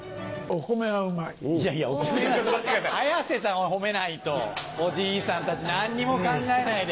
綾瀬さんを褒めないとおじいさんたち何にも考えないで。